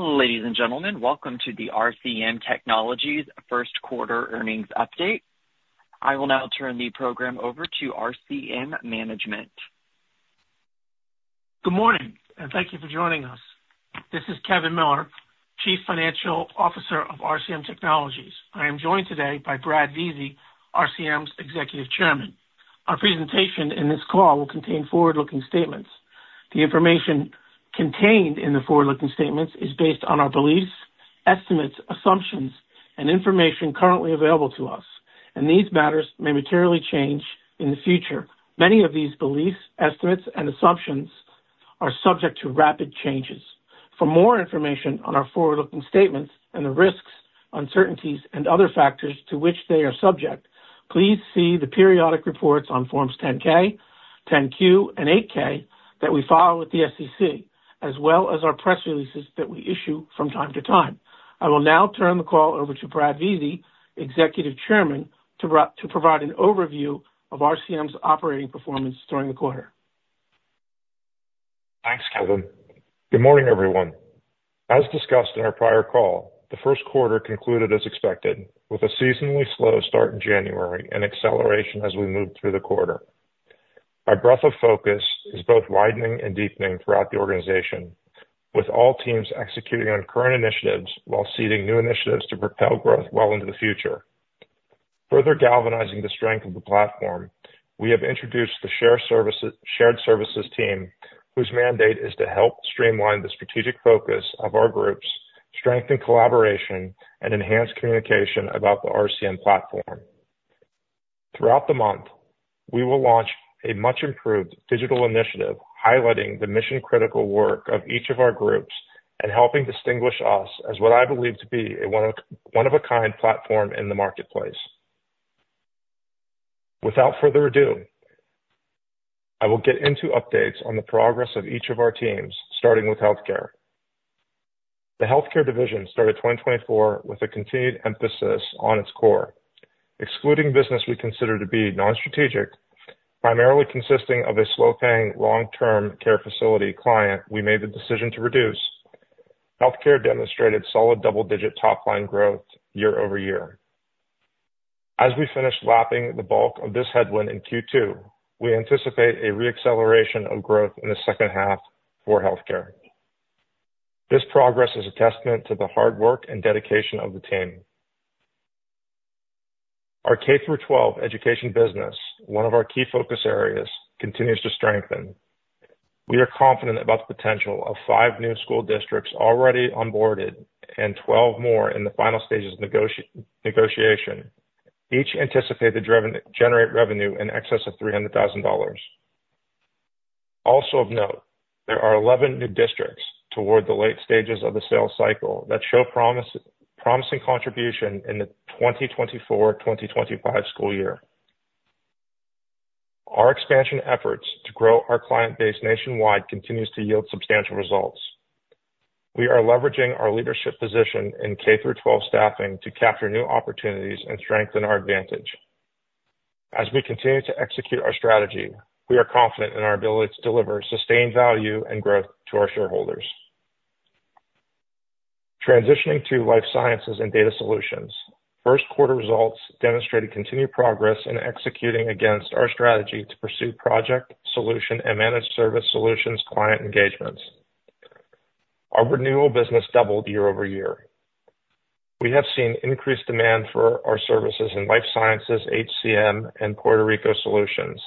Ladies and gentlemen, welcome to the RCM Technologies first quarter earnings update. I will now turn the program over to RCM management. Good morning, and thank you for joining us. This is Kevin Miller, Chief Financial Officer of RCM Technologies. I am joined today by Bradley Vizi, RCM's Executive Chairman. Our presentation in this call will contain forward-looking statements. The information contained in the forward-looking statements is based on our beliefs, estimates, assumptions, and information currently available to us, and these matters may materially change in the future. Many of these beliefs, estimates, and assumptions are subject to rapid changes. For more information on our forward-looking statements and the risks, uncertainties, and other factors to which they are subject, please see the periodic reports on Forms 10-K, 10-Q, and 8-K that we file with the SEC, as well as our press releases that we issue from time to time. I will now turn the call over to Bradley Vizi, Executive Chairman, to provide an overview of RCM's operating performance during the quarter. Thanks, Kevin. Good morning, everyone. As discussed in our prior call, the first quarter concluded as expected, with a seasonally slow start in January and acceleration as we moved through the quarter. Our breadth of focus is both widening and deepening throughout the organization, with all teams executing on current initiatives while seeding new initiatives to propel growth well into the future. Further galvanizing the strength of the platform, we have introduced the Shared Services team, whose mandate is to help streamline the strategic focus of our groups, strengthen collaboration, and enhance communication about the RCM platform. Throughout the month, we will launch a much improved digital initiative highlighting the mission-critical work of each of our groups and helping distinguish us as what I believe to be a one of, one of a kind platform in the marketplace. Without further ado, I will get into updates on the progress of each of our teams, starting with Healthcare. The Healthcare division started 2024 with a continued emphasis on its core. Excluding business we consider to be non-strategic, primarily consisting of a slow-paying, long-term care facility client, we made the decision to reduce. Healthcare demonstrated solid double-digit top-line growth year over year. As we finish lapping the bulk of this headwind in Q2, we anticipate a re-acceleration of growth in the second half for Healthcare. This progress is a testament to the hard work and dedication of the team. Our K-12 education business, one of our key focus areas, continues to strengthen. We are confident about the potential of five new school districts already onboarded and 12 more in the final stages of negotiation. Each anticipate to generate revenue in excess of $300,000. Also of note, there are 11 new districts toward the late stages of the sales cycle that show promising contribution in the 2024-2025 school year. Our expansion efforts to grow our client base nationwide continues to yield substantial results. We are leveraging our leadership position in K-12 staffing to capture new opportunities and strengthen our advantage. As we continue to execute our strategy, we are confident in our ability to deliver sustained value and growth to our shareholders. Transitioning to Life Sciences and Data Solutions. First quarter results demonstrated continued progress in executing against our strategy to pursue project, solution, and managed service solutions client engagements. Our renewal business doubled year-over-year. We have seen increased demand for our services in Life Sciences, HCM, and Puerto Rico Solutions,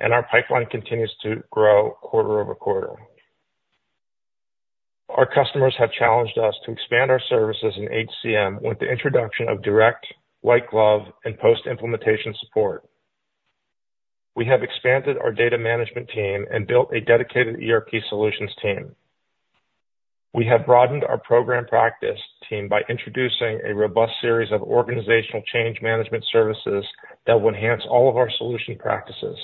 and our pipeline continues to grow quarter-over-quarter. Our customers have challenged us to expand our services in HCM with the introduction of direct, white glove, and post-implementation support. We have expanded our data management team and built a dedicated ERP Solutions team. We have broadened our program practice team by introducing a robust series of organizational change management services that will enhance all of our solution practices.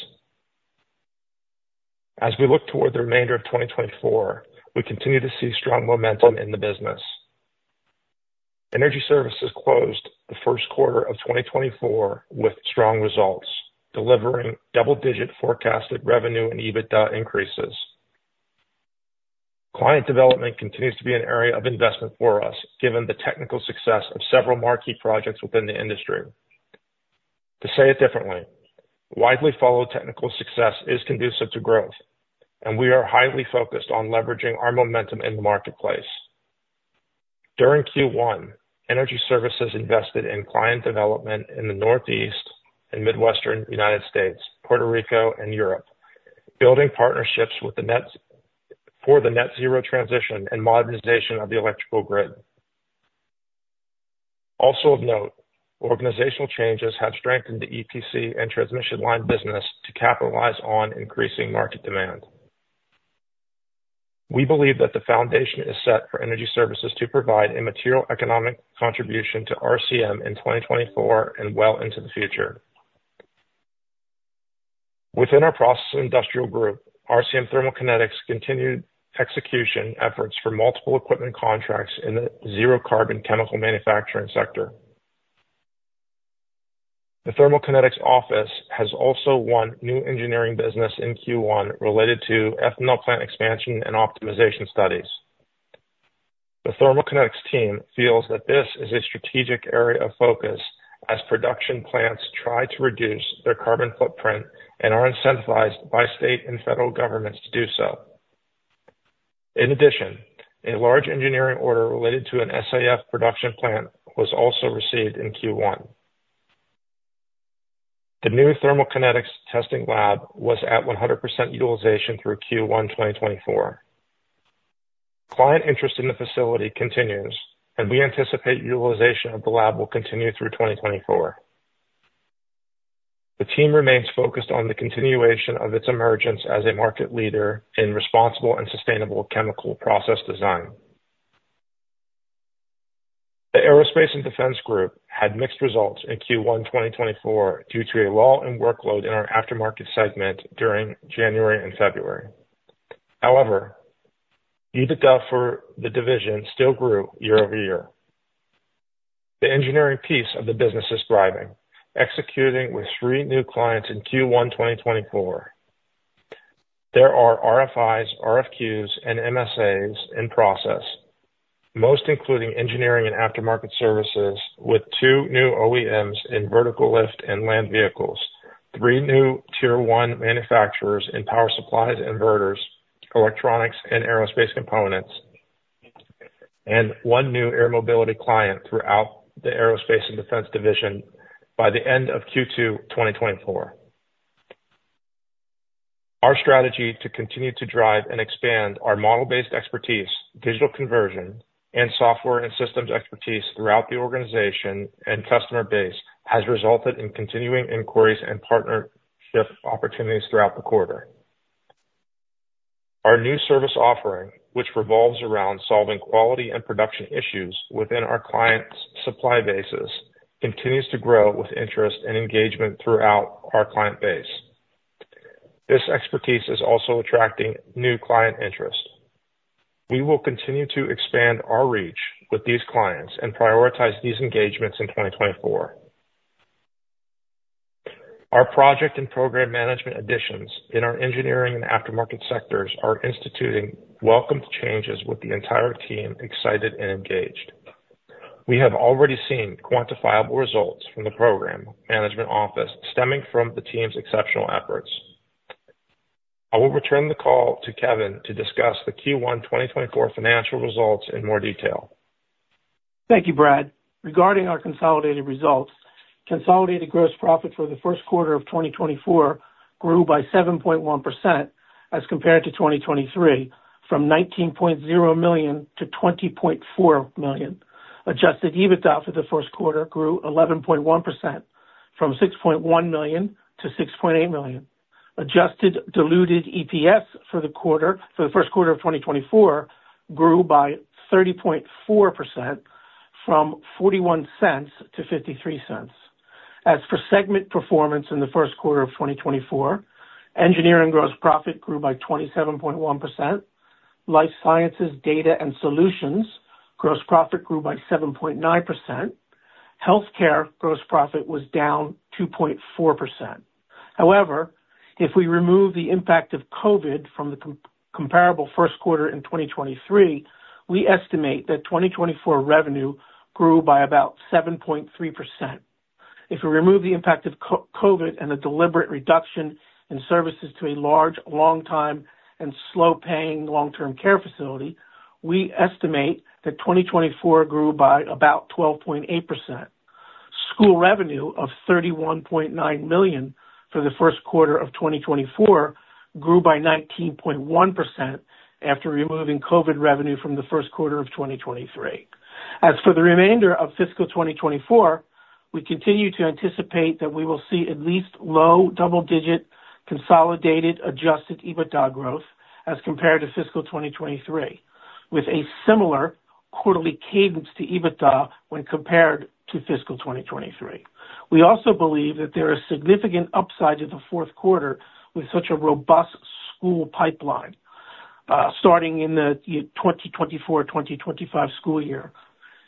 As we look toward the remainder of 2024, we continue to see strong momentum in the business. Energy Services closed the first quarter of 2024 with strong results, delivering double-digit forecasted revenue and EBITDA increases. Client development continues to be an area of investment for us, given the technical success of several marquee projects within the industry. To say it differently, widely followed technical success is conducive to growth, and we are highly focused on leveraging our momentum in the marketplace. During Q1, Energy Services invested in client development in the Northeast and Midwestern United States, Puerto Rico, and Europe, building partnerships for the Net Zero transition and modernization of the electrical grid. Also of note, organizational changes have strengthened the EPC and transmission line business to capitalize on increasing market demand. We believe that the foundation is set for Energy Services to provide a material economic contribution to RCM in 2024 and well into the future. Within our Process Industrial group, RCM Thermal Kinetics continued execution efforts for multiple equipment contracts in the zero-carbon chemical manufacturing sector. The Thermal Kinetics office has also won new Engineering business in Q1 related to ethanol plant expansion and optimization studies. The Thermal Kinetics team feels that this is a strategic area of focus as production plants try to reduce their carbon footprint and are incentivized by state and federal governments to do so. In addition, a large Engineering order related to an SAF production plant was also received in Q1. The new Thermal Kinetics testing lab was at 100% utilization through Q1, 2024. Client interest in the facility continues, and we anticipate utilization of the lab will continue through 2024. The team remains focused on the continuation of its emergence as a market leader in responsible and sustainable chemical process design. The Aerospace and Defense Group had mixed results in Q1, 2024, due to a lull in workload in our aftermarket segment during January and February. However, EBITDA for the division still grew year-over-year. The Engineering piece of the business is thriving, executing with three new clients in Q1, 2024. There are RFIs, RFQs, and MSAs in process, most including Engineering and aftermarket services, with two new OEMs in vertical lift and land vehicles, three new Tier One manufacturers in power supplies, inverters, electronics, and aerospace components, and one new air mobility client throughout the Aerospace and Defense division by the end of Q2, 2024. Our strategy to continue to drive and expand our model-based expertise, digital conversion, and software and systems expertise throughout the organization and customer base has resulted in continuing inquiries and partnership opportunities throughout the quarter. Our new service offering, which revolves around solving quality and production issues within our clients' supply bases, continues to grow with interest and engagement throughout our client base. This expertise is also attracting new client interest. We will continue to expand our reach with these clients and prioritize these engagements in 2024. Our project and program management additions in our Engineering and aftermarket sectors are instituting welcome changes with the entire team, excited and engaged. We have already seen quantifiable results from the Program Management Office stemming from the team's exceptional efforts. I will return the call to Kevin to discuss the Q1, 2024 financial results in more detail. Thank you, Brad. Regarding our consolidated results, consolidated gross profit for the first quarter of 2024 grew by 7.1% as compared to 2023, from $19.0 million to $20.4 million. Adjusted EBITDA for the first quarter grew 11.1%, from $6.1 million to $6.8 million. Adjusted diluted EPS for the quarter, for the first quarter of 2024, grew by 30.4% from $0.41 to $0.53. As for segment performance, in the first quarter of 2024, Engineering gross profit grew by 27.1%. Life Sciences and Data Solutions gross profit grew by 7.9%. Healthcare gross profit was down 2.4%. However, if we remove the impact of COVID from the comparable first quarter in 2023, we estimate that 2024 revenue grew by about 7.3%. If we remove the impact of COVID and the deliberate reduction in services to a large, long-time, and slow-paying long-term care facility, we estimate that 2024 grew by about 12.8%. School revenue of $31.9 million for the first quarter of 2024 grew by 19.1% after removing COVID revenue from the first quarter of 2023. As for the remainder of fiscal 2024, we continue to anticipate that we will see at least low double-digit, consolidated, Adjusted EBITDA growth as compared to fiscal 2023, with a similar quarterly cadence to EBITDA when compared to fiscal 2023. We also believe that there is significant upside to the fourth quarter with such a robust school pipeline, starting in the 2024-2025 school year.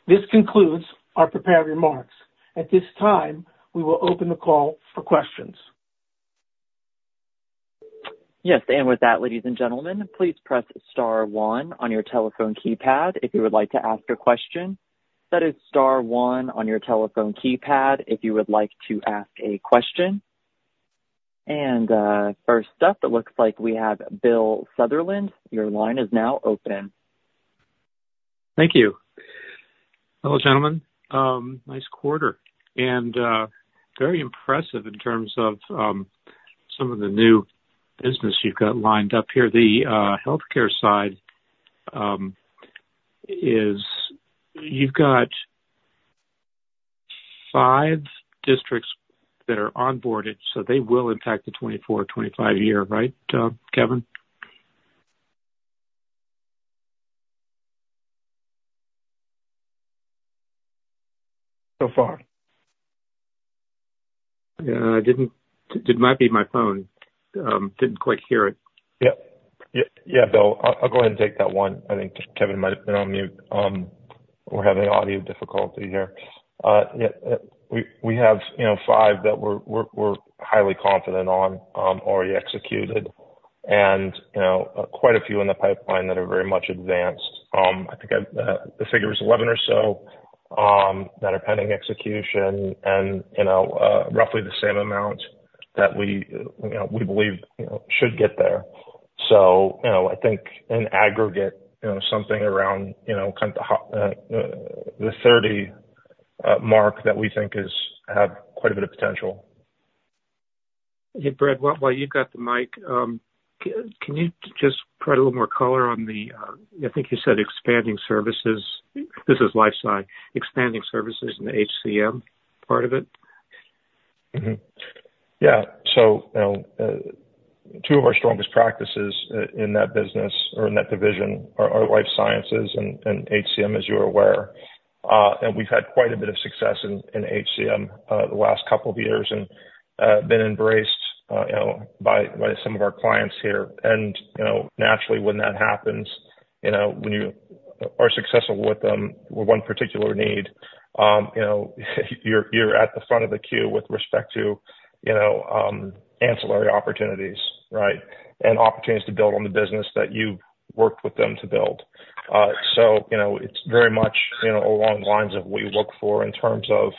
This concludes our prepared remarks. At this time, we will open the call for questions. Yes, and with that, ladies and gentlemen, please press star one on your telephone keypad if you would like to ask a question. That is star one on your telephone keypad if you would like to ask a question. And, first up, it looks like we have Bill Sutherland. Your line is now open. Thank you. Hello, gentlemen. Nice quarter, and very impressive in terms of some of the new business you've got lined up here. The healthcare side is you've got five districts that are onboarded, so they will impact the 2024-2025 year, right, Kevin? So far. Yeah, I didn't. It might be my phone. Didn't quite hear it. Yep. Yeah, yeah, Bill, I'll go ahead and take that one. I think Kevin might have been on mute. We're having audio difficulty here. Yeah, we have, you know, five that we're highly confident on, already executed. You know, quite a few in the pipeline that are very much advanced. I think the figure is 11 or so that are pending execution and, you know, roughly the same amount that we believe should get there. So, you know, I think in aggregate, you know, something around, you know, kind of the hot, the 30 mark that we think is have quite a bit of potential. Hey, Brad, while you've got the mic, can you just provide a little more color on the, I think you said expanding services, this is Life Sciences, expanding services in the HCM part of it? Mm-hmm. Yeah. So, you know, two of our strongest practices in that business or in that division are Life Sciences and HCM, as you're aware. And we've had quite a bit of success in HCM the last couple of years, and been embraced, you know, by some of our clients here. And, you know, naturally, when that happens, you know, when you are successful with them with one particular need, you know, you're at the front of the queue with respect to, you know, ancillary opportunities, right? And opportunities to build on the business that you've worked with them to build. So, you know, it's very much, you know, along the lines of what we look for in terms of,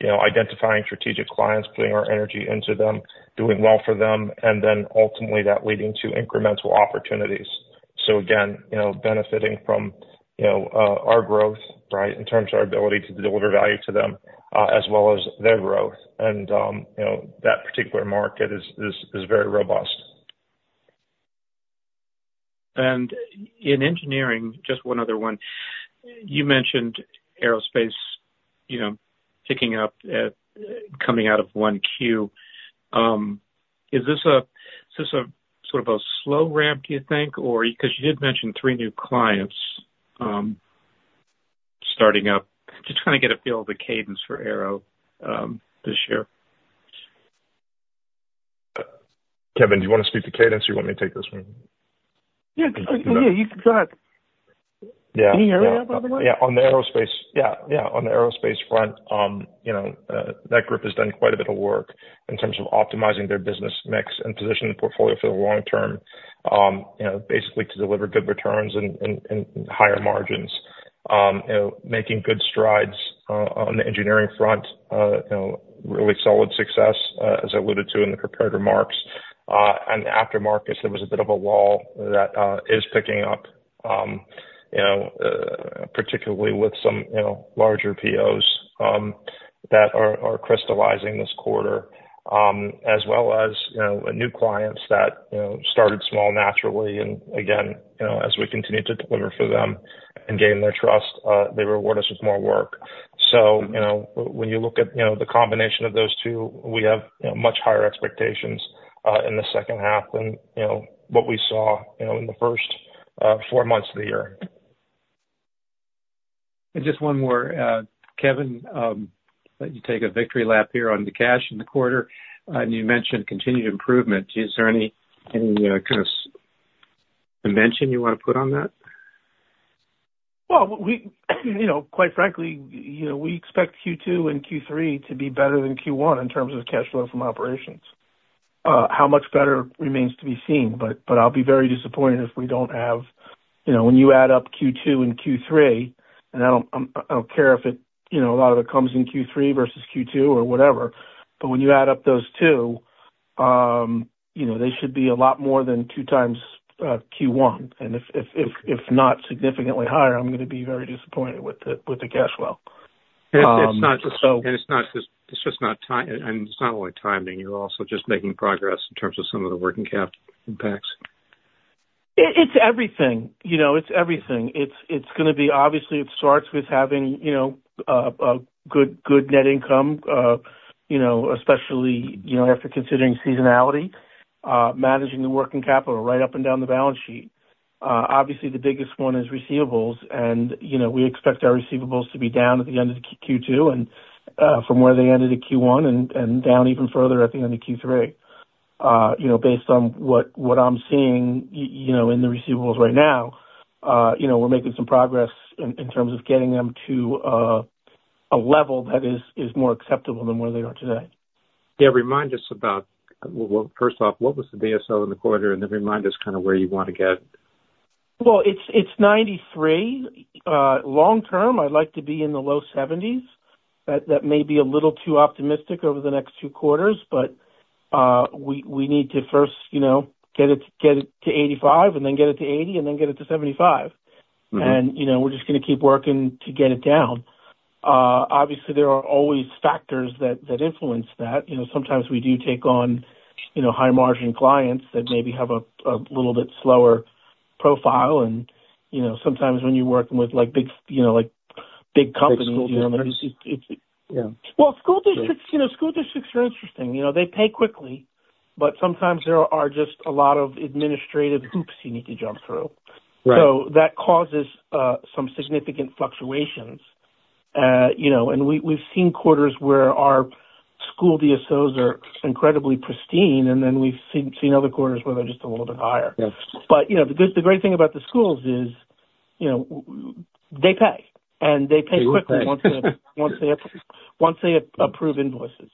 you know, identifying strategic clients, putting our energy into them, doing well for them, and then ultimately that leading to incremental opportunities. So again, you know, benefiting from, you know, our growth, right, in terms of our ability to deliver value to them, as well as their growth. You know, that particular market is very robust. In engineering, just one other one. You mentioned aerospace, you know, picking up at, coming out of 1Q. Is this a, is this a sort of a slow ramp, do you think, or... Because you did mention 3 new clients starting up. Just trying to get a feel of the cadence for Aero this year. Kevin, do you wanna speak to cadence, or you want me to take this one? Yeah, yeah, you can go ahead. Yeah. Can you hear me up on the line? Yeah, yeah, on the aerospace front, you know, that group has done quite a bit of work in terms of optimizing their business mix and positioning the portfolio for the long term. You know, basically to deliver good returns and, and, and higher margins. You know, making good strides on the engineering front, you know, really solid success, as I alluded to in the prepared remarks. And aftermarket, there was a bit of a lull that is picking up, you know, particularly with some, you know, larger POs that are crystallizing this quarter. As well as, you know, new clients that, you know, started small naturally, and again, you know, as we continue to deliver for them and gain their trust, they reward us with more work. So, you know, when you look at, you know, the combination of those two, we have, you know, much higher expectations in the second half than, you know, what we saw, you know, in the first four months of the year. Just one more, Kevin, let you take a victory lap here on the cash in the quarter, and you mentioned continued improvement. Is there any kind of dimension you want to put on that? Well, we, you know, quite frankly, you know, we expect Q2 and Q3 to be better than Q1 in terms of cash flow from operations. How much better remains to be seen, but I'll be very disappointed if we don't have... You know, when you add up Q2 and Q3, and I don't care if it, you know, a lot of it comes in Q3 versus Q2 or whatever, but when you add up those two, you know, they should be a lot more than two times Q1. And if not significantly higher, I'm going to be very disappointed with the cash flow. So- It's not just, it's just not time, and it's not only timing. You're also just making progress in terms of some of the working capital impacts. It's everything, you know, it's everything. It's, it's gonna be obviously it starts with having, you know, a good, good net income, you know, especially, you know, after considering seasonality, managing the working capital right up and down the balance sheet. Obviously, the biggest one is receivables, and, you know, we expect our receivables to be down at the end of Q2, and, from where they ended at Q1 and, down even further, I think, into Q3. You know, based on what I'm seeing, you know, in the receivables right now, you know, we're making some progress in terms of getting them to a level that is more acceptable than where they are today. Yeah. Remind us about... Well, first off, what was the DSO in the quarter? And then remind us kind of where you want to get. Well, it's 93. Long term, I'd like to be in the low 70s. That may be a little too optimistic over the next two quarters, but we need to first, you know, get it to 85, and then get it to 80, and then get it to 75. Mm-hmm. And, you know, we're just gonna keep working to get it down. Obviously, there are always factors that influence that. You know, sometimes we do take on, you know, high-margin clients that maybe have a little bit slower profile. And, you know, sometimes when you're working with, like, big, you know, like, big companies- Big school districts. It... Yeah. Well, school districts, you know, school districts are interesting. You know, they pay quickly, but sometimes there are just a lot of administrative hoops you need to jump through. Right. So that causes some significant fluctuations. You know, and we've seen quarters where our school DSOs are incredibly pristine, and then we've seen other quarters where they're just a little bit higher. Yes. But, you know, the good, the great thing about the schools is, you know, they pay, and they pay quickly. They will pay. -once they approve invoices.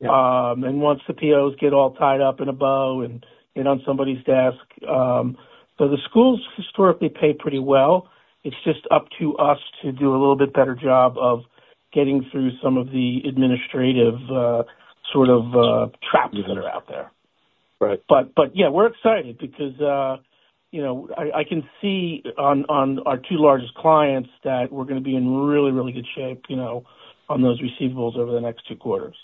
Yeah. And once the POs get all tied up in a bow and on somebody's desk. So the schools historically pay pretty well. It's just up to us to do a little bit better job of getting through some of the administrative sort of traps that are out there. Right. But yeah, we're excited because, you know, I can see on our two largest clients that we're gonna be in really, really good shape, you know, on those receivables over the next two quarters.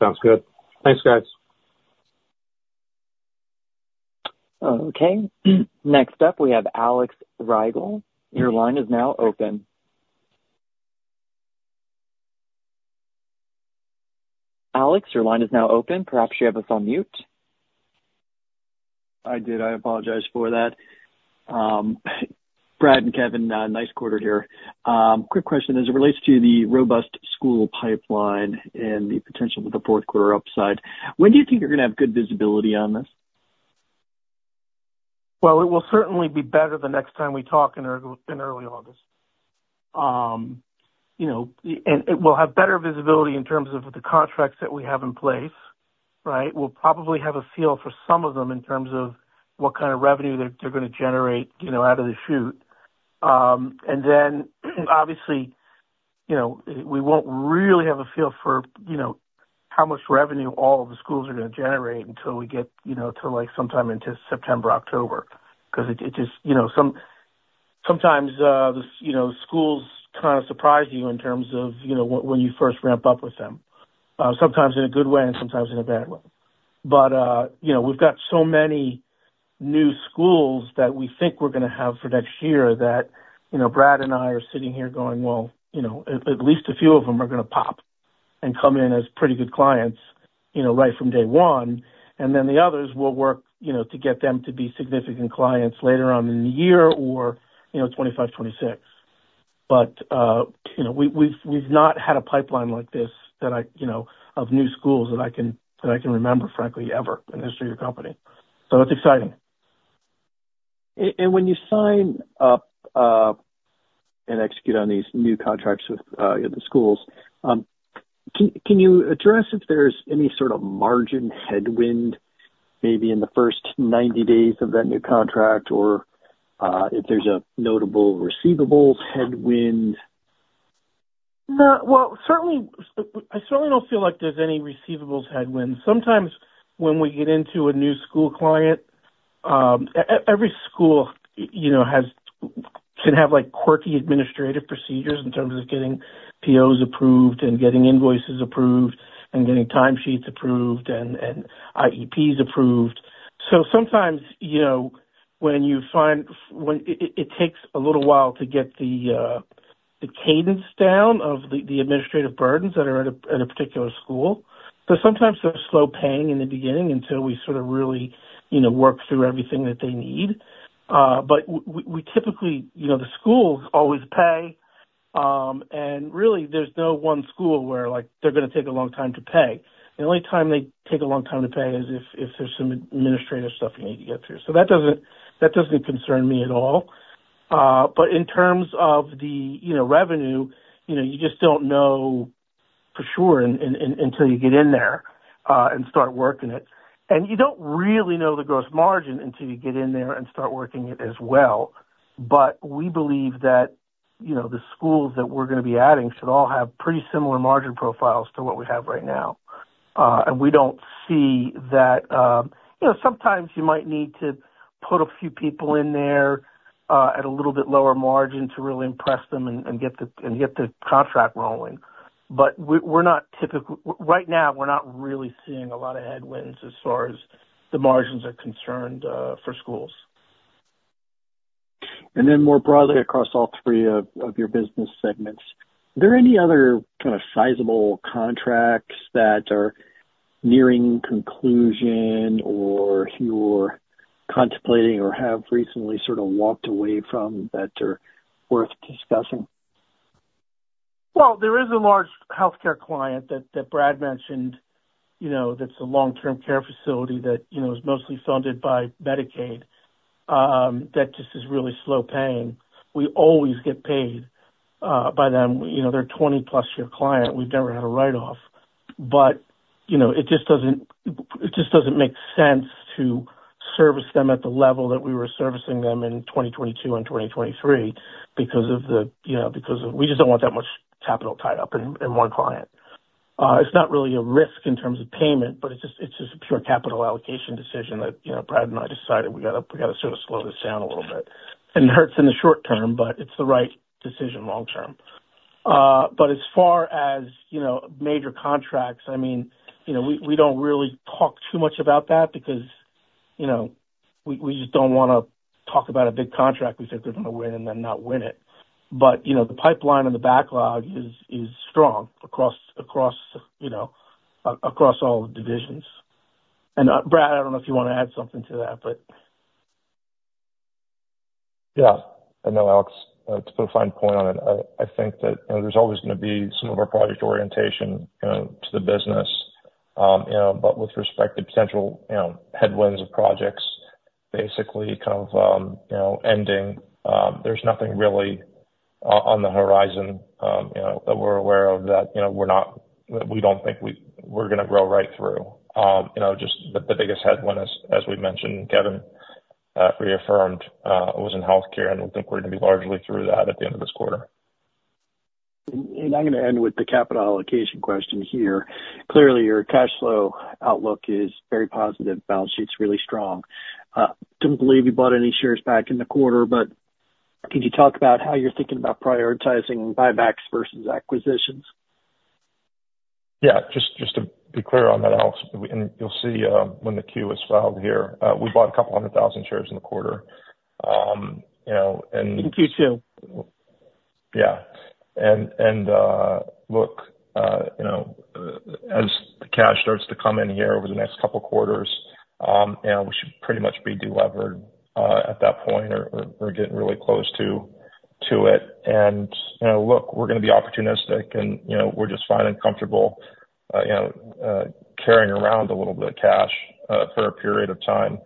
Sounds good. Thanks, guys. Okay. Next up, we have Alex Rygiel. Your line is now open. Alex, your line is now open. Perhaps you have us on mute? I did. I apologize for that. Brad and Kevin, nice quarter here. Quick question, as it relates to the robust school pipeline and the potential for the fourth quarter upside, when do you think you're gonna have good visibility on this? Well, it will certainly be better the next time we talk in early August. You know, and it will have better visibility in terms of the contracts that we have in place, right? We'll probably have a feel for some of them in terms of what kind of revenue they're gonna generate, you know, out of the chute. And then, obviously, you know, we won't really have a feel for, you know, how much revenue all of the schools are gonna generate until we get, you know, to, like, sometime into September, October, 'cause it just, you know, sometimes this, you know, schools kind of surprise you in terms of, you know, when you first ramp up with them, sometimes in a good way and sometimes in a bad way. But, you know, we've got so many new schools that we think we're gonna have for next year that, you know, Brad and I are sitting here going, "Well, you know, at least a few of them are gonna pop and come in as pretty good clients, you know, right from day one." And then the others will work, you know, to get them to be significant clients later on in the year or, you know, 2025, 2026. But, you know, we've not had a pipeline like this that I, you know, of new schools that I can remember, frankly, ever in the history of the company. So that's exciting. And when you sign up and execute on these new contracts with the schools, can you address if there's any sort of margin headwind maybe in the first 90 days of that new contract or if there's a notable receivables headwind? Not -- Well, certainly, I certainly don't feel like there's any receivables headwind. Sometimes when we get into a new school client, every school, you know, has, can have, like, quirky administrative procedures in terms of getting POs approved and getting invoices approved and getting time sheets approved and IEPs approved. So sometimes, you know, when you find, when it takes a little while to get the cadence down of the administrative burdens that are at a particular school. So sometimes they're slow paying in the beginning until we sort of really, you know, work through everything that they need. But we typically, you know, the schools always pay. And really, there's no one school where, like, they're gonna take a long time to pay. The only time they take a long time to pay is if there's some administrative stuff you need to get through. So that doesn't, that doesn't concern me at all. But in terms of the, you know, revenue, you know, you just don't know for sure until you get in there and start working it. And you don't really know the gross margin until you get in there and start working it as well. But we believe that, you know, the schools that we're gonna be adding should all have pretty similar margin profiles to what we have right now. And we don't see that. You know, sometimes you might need to put a few people in there at a little bit lower margin to really impress them and get the contract rolling. But we're not typically right now, we're not really seeing a lot of headwinds as far as the margins are concerned for schools. And then more broadly, across all three of your business segments, are there any other kind of sizable contracts that are nearing conclusion or you're contemplating or have recently sort of walked away from that are worth discussing? Well, there is a large healthcare client that, that Brad mentioned, you know, that's a long-term care facility that, you know, is mostly funded by Medicaid, that just is really slow paying. We always get paid by them. You know, they're a 20+ year client. We've never had a write-off. But, you know, it just doesn't, it just doesn't make sense to service them at the level that we were servicing them in 2022 and 2023 because of the, you know, because we just don't want that much capital tied up in, in one client. It's not really a risk in terms of payment, but it's just, it's just a pure capital allocation decision that, you know, Brad and I decided we gotta, we gotta sort of slow this down a little bit. It hurts in the short term, but it's the right decision long term. But as far as, you know, major contracts, I mean, you know, we don't really talk too much about that because, you know, we just don't wanna talk about a big contract we said we're gonna win and then not win it. But, you know, the pipeline and the backlog is strong across all the divisions. And, Brad, I don't know if you want to add something to that, but-... Yeah, I know, Alex, to put a fine point on it, I think that, you know, there's always gonna be some of our project orientation, you know, to the business. You know, but with respect to potential, you know, headwinds of projects, basically kind of, you know, ending, there's nothing really on the horizon, you know, that we're aware of, that, you know, we don't think we're gonna grow right through. You know, just the biggest headwind, as we mentioned, Kevin reaffirmed, was in healthcare, and I think we're gonna be largely through that at the end of this quarter. I'm gonna end with the capital allocation question here. Clearly, your cash flow outlook is very positive. Balance sheet's really strong. Don't believe you bought any shares back in the quarter, but could you talk about how you're thinking about prioritizing buybacks versus acquisitions? Yeah, just, just to be clear on that, Alex, and you'll see, when the Q is filed here, we bought 200,000 shares in the quarter. You know, and- In Q2. Yeah. And look, you know, as the cash starts to come in here over the next couple quarters, you know, we should pretty much be de-levered at that point or getting really close to it. And you know, look, we're gonna be opportunistic and, you know, we're just fine and comfortable, you know, carrying around a little bit of cash for a period of time.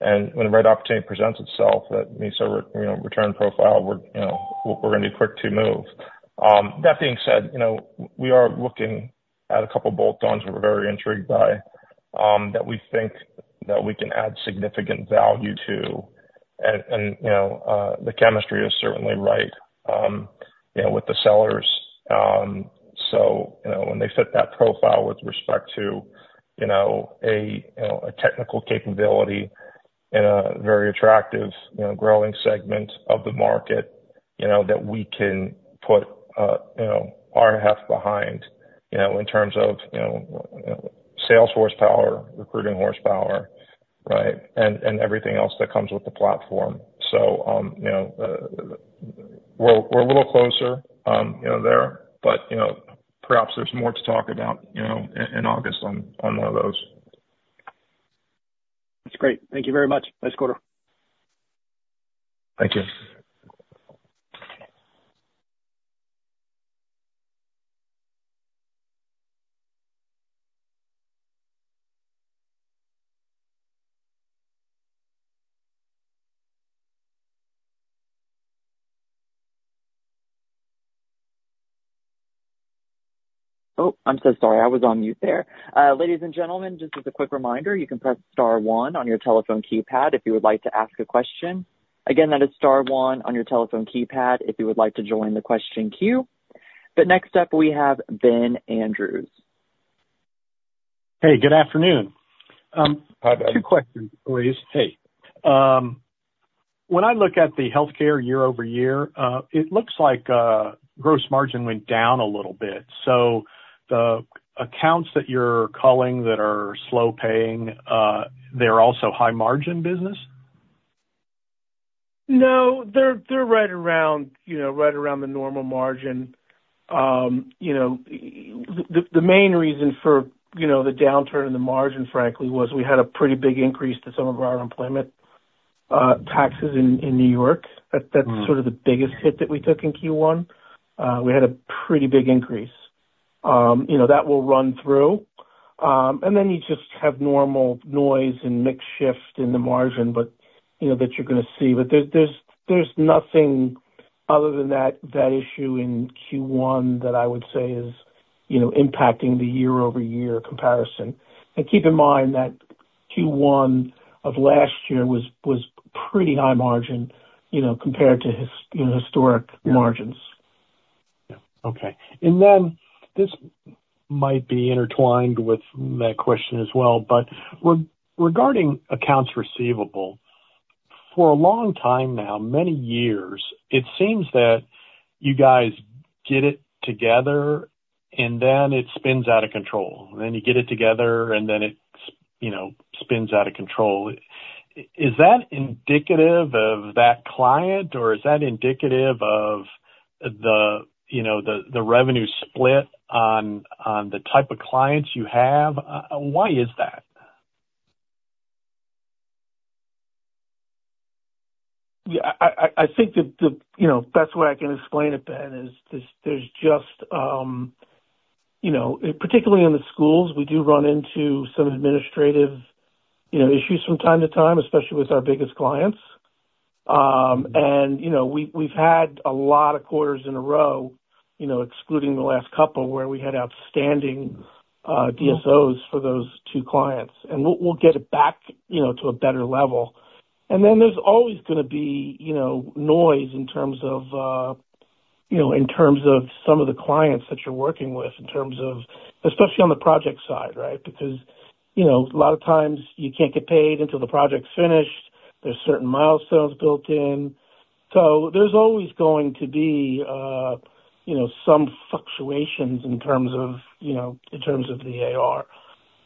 And when the right opportunity presents itself, that meets our, you know, return profile, we're, you know, we're gonna be quick to move. That being said, you know, we are looking at a couple bolt-ons we're very intrigued by, that we think that we can add significant value to. And you know, the chemistry is certainly right, you know, with the sellers. So, you know, when they fit that profile with respect to, you know, a technical capability in a very attractive, you know, growing segment of the market, you know, that we can put, you know, our half behind, you know, in terms of, you know, sales horsepower, recruiting horsepower, right? And everything else that comes with the platform. So, you know, we're, we're a little closer, you know, there, but, you know, perhaps there's more to talk about, you know, in August on, on one of those. That's great. Thank you very much. Nice quarter. Thank you. Oh, I'm so sorry. I was on mute there. Ladies and gentlemen, just as a quick reminder, you can press star one on your telephone keypad if you would like to ask a question. Again, that is star one on your telephone keypad, if you would like to join the question queue. But next up, we have Ben Andrews. Hey, good afternoon. Hi, Ben. Two questions, please. Hey, when I look at the healthcare year-over-year, it looks like gross margin went down a little bit. So the accounts that you're calling that are slow-paying, they're also high-margin business? No, they're, they're right around, you know, right around the normal margin. You know, the, the main reason for, you know, the downturn in the margin, frankly, was we had a pretty big increase to some of our employment taxes in New York. Mm. That's sort of the biggest hit that we took in Q1. We had a pretty big increase. You know, that will run through, and then you just have normal noise and mix shift in the margin, but, you know, that you're gonna see. But there's nothing other than that, that issue in Q1 that I would say is, you know, impacting the year-over-year comparison. And keep in mind that Q1 of last year was pretty high margin, you know, compared to its historic margins. Yeah. Okay. And then this might be intertwined with that question as well, but regarding accounts receivable, for a long time now, many years, it seems that you guys get it together, and then it spins out of control, then you get it together, and then it, you know, spins out of control. Is that indicative of that client, or is that indicative of the, you know, the, the revenue split on, on the type of clients you have? Why is that? Yeah, I think the, the you know, best way I can explain it, Ben, is there's just, you know, particularly in the schools, we do run into some administrative, you know, issues from time to time, especially with our biggest clients. And, you know, we've, we've had a lot of quarters in a row, you know, excluding the last couple, where we had outstanding DSOs for those two clients, and we'll, we'll get it back, you know, to a better level. And then there's always gonna be, you know, noise in terms of, you know, in terms of some of the clients that you're working with, in terms of... Especially on the project side, right? Because, you know, a lot of times you can't get paid until the project's finished. There's certain milestones built in. So there's always going to be, you know, some fluctuations in terms of, you know, in terms of the AR.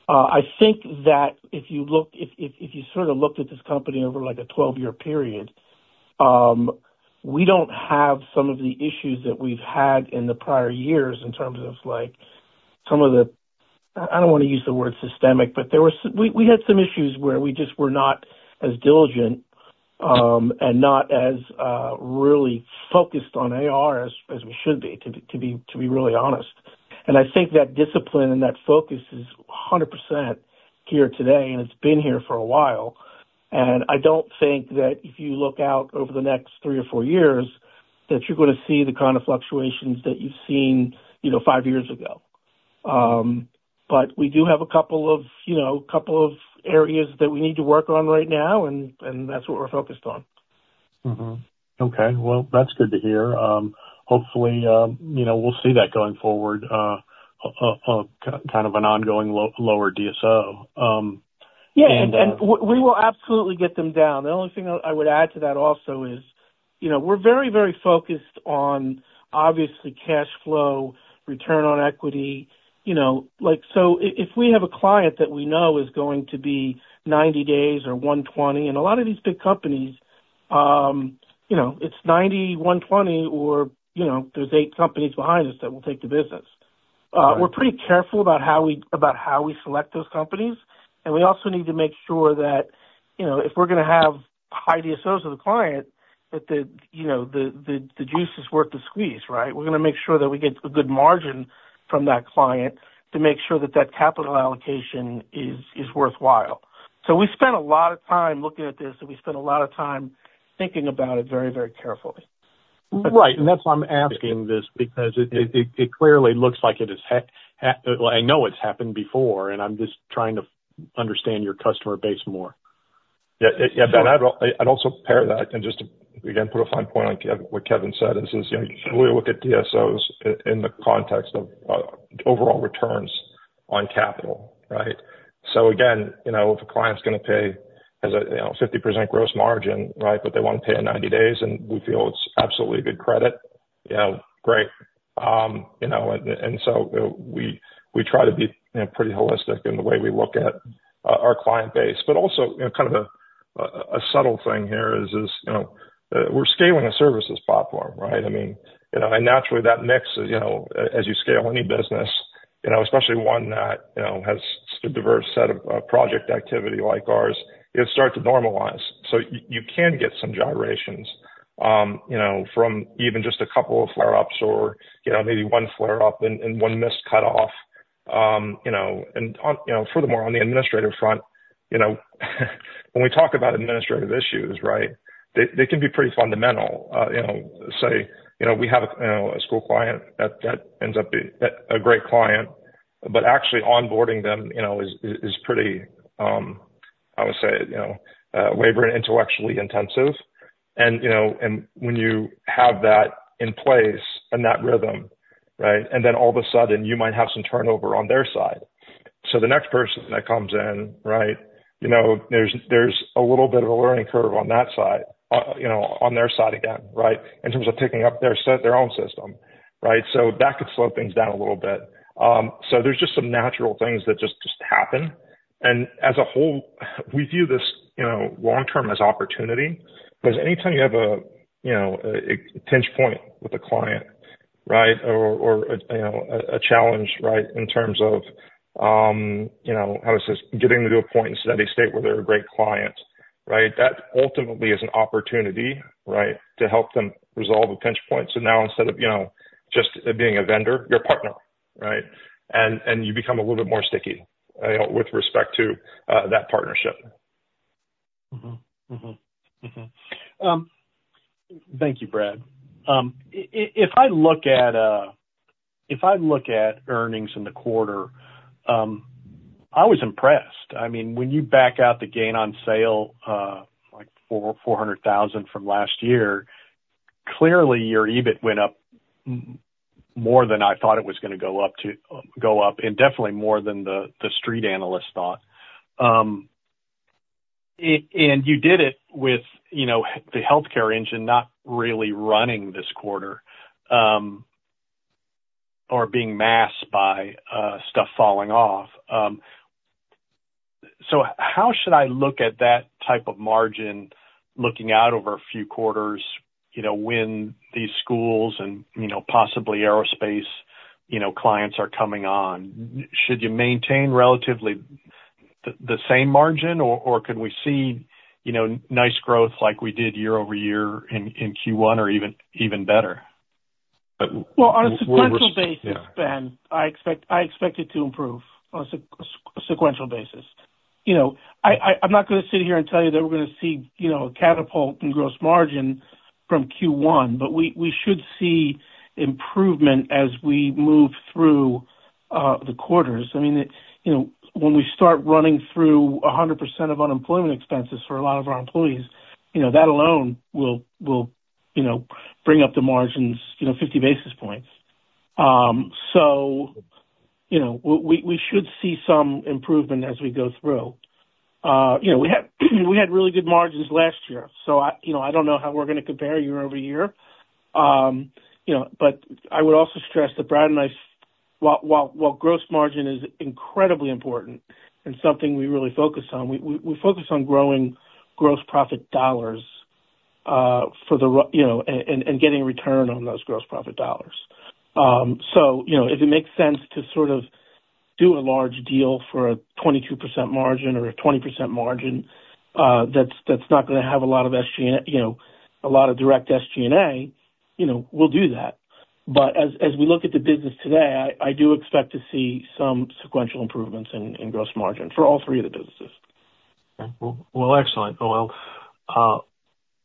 I think that if you look, if you sort of looked at this company over, like, a 12-year period. We don't have some of the issues that we've had in the prior years in terms of, like, some of the, I don't want to use the word systemic, but there were some issues where we just were not as diligent, and not as really focused on AR as we should be, to be really honest. And I think that discipline and that focus is 100% here today, and it's been here for a while. I don't think that if you look out over the next three or four years, that you're gonna see the kind of fluctuations that you've seen, you know, five years ago. But we do have a couple of, you know, couple of areas that we need to work on right now, and that's what we're focused on. Mm-hmm. Okay, well, that's good to hear. Hopefully, you know, we'll see that going forward, kind of an ongoing lower DSO. And, and- Yeah, and we will absolutely get them down. The only thing I would add to that also is, you know, we're very, very focused on, obviously, cash flow, return on equity, you know, like, so if we have a client that we know is going to be 90 days or 120, and a lot of these big companies, you know, it's 90, 120, or, you know, there's eight companies behind us that will take the business. Right. We're pretty careful about how we select those companies, and we also need to make sure that, you know, if we're gonna have high DSOs with a client, that the, you know, the juice is worth the squeeze, right? We're gonna make sure that we get a good margin from that client to make sure that that capital allocation is worthwhile. So we spent a lot of time looking at this, and we spent a lot of time thinking about it very, very carefully. Right, and that's why I'm asking this, because it clearly looks like it has. Well, I know it's happened before, and I'm just trying to understand your customer base more. Yeah, yeah, yeah, Ben, I'd also pair that, and just to again put a fine point on what Kevin said is, you know, we look at DSOs in the context of overall returns on capital, right? So again, you know, if a client's gonna pay as a you know 50% gross margin, right, but they wanna pay in 90 days, and we feel it's absolutely good credit, you know, great. You know, and so we try to be, you know, pretty holistic in the way we look at our client base. But also, you know, kind of a subtle thing here is, you know, we're scaling a services platform, right? I mean, you know, and naturally, that mix, you know, as you scale any business, you know, especially one that, you know, has a diverse set of project activity like ours, it start to normalize. So you can get some gyrations, you know, from even just a couple of flare-ups or, you know, maybe one flare-up and one miscut off. You know, and on, you know, furthermore, on the administrative front, you know, when we talk about administrative issues, right, they can be pretty fundamental. You know, say, you know, we have, you know, a school client that ends up being a great client, but actually onboarding them, you know, is pretty, I would say, you know, labor and intellectually intensive. You know, and when you have that in place and that rhythm, right, and then all of a sudden, you might have some turnover on their side. So the next person that comes in, right, you know, there's a little bit of a learning curve on that side, you know, on their side again, right? In terms of picking up their their own system, right? So that could slow things down a little bit. So there's just some natural things that just happen. And as a whole, we view this, you know, long term as opportunity, because anytime you have a, you know, a pinch point with a client, right, or, or, you know, a challenge, right, in terms of, you know, how is this getting to a point in steady state where they're a great client, right? That ultimately is an opportunity, right, to help them resolve a pinch point. So now, instead of, you know, just being a vendor, you're a partner, right? And, and you become a little bit more sticky, with respect to, that partnership. Thank you, Brad. If I look at earnings in the quarter, I was impressed. I mean, when you back out the gain on sale, like $400,000 from last year, clearly your EBIT went up more than I thought it was gonna go up to, and definitely more than the street analyst thought. And you did it with, you know, the healthcare engine not really running this quarter, or being masked by stuff falling off. So how should I look at that type of margin looking out over a few quarters, you know, when these schools and, you know, possibly aerospace, you know, clients are coming on? Should you maintain relatively the same margin or could we see, you know, nice growth like we did year-over-year in Q1 or even better? Well, on a sequential basis, Ben, I expect it to improve on a sequential basis. You know, I'm not gonna sit here and tell you that we're gonna see, you know, a catapult in gross margin from Q1, but we should see improvement as we move through the quarters. I mean, you know, when we start running through 100% of unemployment expenses for a lot of our employees, you know, that alone will bring up the margins, you know, 50 basis points. You know, we should see some improvement as we go through. You know, we had really good margins last year, so I, you know, I don't know how we're gonna compare year-over-year. You know, but I would also stress that Brad and I-... While gross margin is incredibly important and something we really focus on, we focus on growing gross profit dollars, you know, and getting return on those gross profit dollars. So, you know, if it makes sense to sort of do a large deal for a 22% margin or a 20% margin, that's not gonna have a lot of SG&A, you know, a lot of direct SG&A, you know, we'll do that. But as we look at the business today, I do expect to see some sequential improvements in gross margin for all three of the businesses. Okay. Well, well, excellent. Well,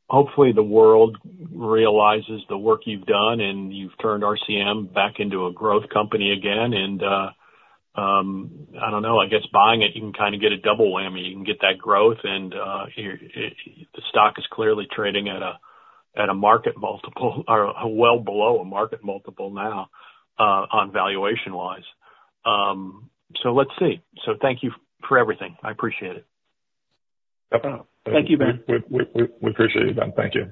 hopefully the world realizes the work you've done, and you've turned RCM back into a growth company again. And, I don't know, I guess buying it, you can kind of get a double whammy. You can get that growth and, your, the stock is clearly trading at a, at a market multiple or well below a market multiple now, on valuation-wise. So let's see. So thank you for everything. I appreciate it. No problem. Thank you, Ben. We appreciate it, Ben. Thank you.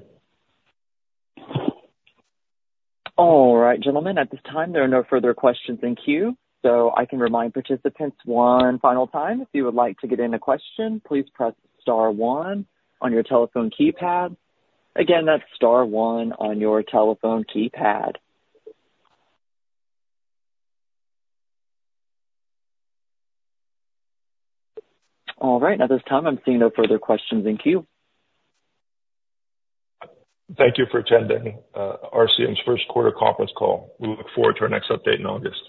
All right, gentlemen, at this time, there are no further questions in queue, so I can remind participants one final time. If you would like to get in a question, please press star one on your telephone keypad. Again, that's star one on your telephone keypad. All right, at this time, I'm seeing no further questions in queue. Thank you for attending, RCM's first quarter conference call. We look forward to our next update in August.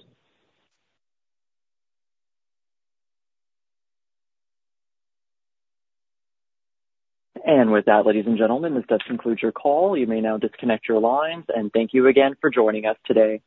With that, ladies and gentlemen, this does conclude your call. You may now disconnect your lines, and thank you again for joining us today.